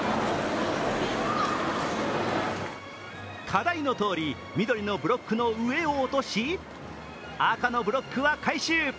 課題のとおり、緑のブロックの上を落とし赤のブロックは回収。